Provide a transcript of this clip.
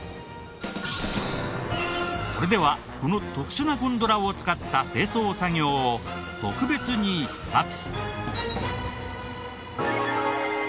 それではこの特殊なゴンドラを使った清掃作業を特別に視察。